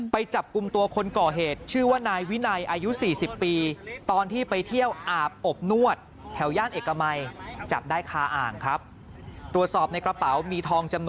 ไปจับกุมตัวคนก่อเหตุชื่อว่านายวินัยอายุ๔๐ปี